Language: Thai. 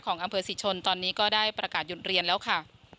อำเภอศรีชนตอนนี้ก็ได้ประกาศหยุดเรียนแล้วค่ะ